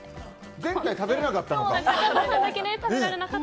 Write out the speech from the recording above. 前回食べれなかったのか。